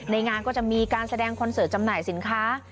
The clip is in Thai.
ในงานก็จะมีการแสดงคอนเสิร์ตจำหน่ายสินค้า